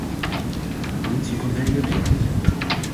De politie van de hele wereld?